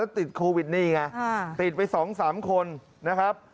แล้วติดโควิดนี้ไงติดไปสองสามคนนะครับ